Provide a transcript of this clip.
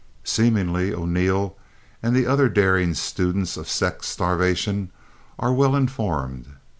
Seemingly, O'Neill and the other daring students of sex starvation are well informed.